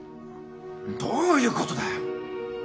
どういうことだよ！？